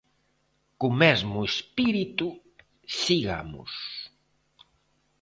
Co mesmo espírito, sigamos.